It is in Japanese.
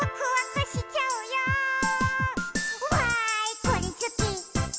「わーいこれすき！